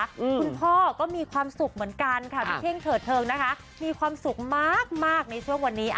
คุณพ่อก็มีความสุขเหมือนกันค่ะพี่เท่งเถิดเทิงนะคะมีความสุขมากมากในช่วงวันนี้